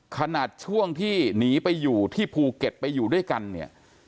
ขนาดช่วงที่หนีไปอยู่ที่ภูเก็ตไปอยู่ด้วยกันเนี่ย